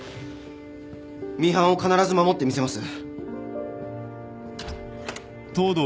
ミハンを必ず守ってみせます。